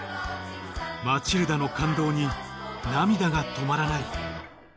『マチルダ』の感動に涙が止まらない